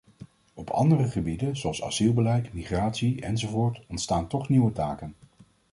Op andere gebieden, zoals asielbeleid, migratie enzovoort, ontstaan toch nieuwe taken.